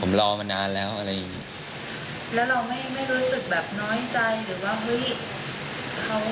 ผมรอมานานแล้วอะไรอย่างเงี้ยแล้วเราไม่ไม่รู้สึกแบบน้อยใจหรือว่าเฮ้ยเขา